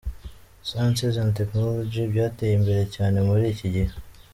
Sciences & Techonology byateye imbere cyane muli iki gihe.